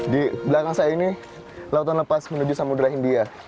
di belakang saya ini lautan lepas menuju samudera india